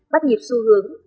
bắt nhịp xu hướng